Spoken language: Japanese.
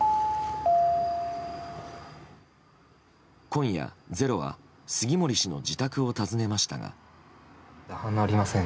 今夜、「ｚｅｒｏ」は杉森氏の自宅を訪ねましたが。